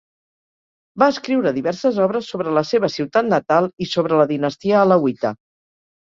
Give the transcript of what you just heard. Va escriure diverses obres sobre la seva ciutat natal i sobre la dinastia alauita.